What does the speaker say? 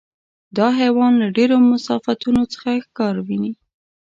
دا حیوان له ډېرو مسافتونو څخه ښکار ویني.